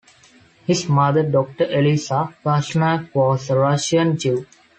His mother Doctor Eliza Pasternak was a Russian Jew.